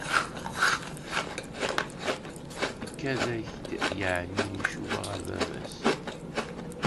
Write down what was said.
Ikad-ak-d yeεni icuba ɣer baba-s?